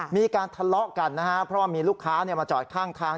มีการทะเลาะกันนะฮะเพราะว่ามีลูกค้ามาจอดข้างทาง